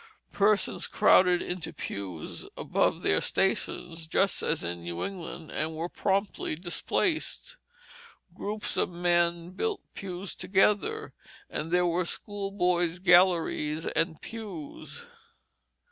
Persons crowded into pews above their stations, just as in New England, and were promptly displaced. Groups of men built pews together, and there were schoolboys' galleries and pews.